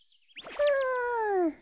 うん！